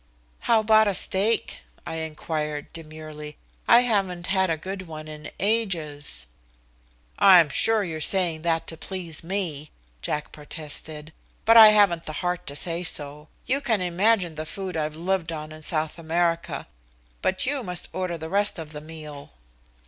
"How about a steak?" I inquired demurely. "I haven't had a good one in ages." "I'm sure you're saying that to please me," Jack protested, "but I haven't the heart to say so. You can imagine the food I've lived on in South America. But you must order the rest of the meal."